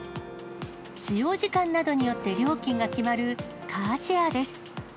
使用時間などによって料金が決まるカーシェアです。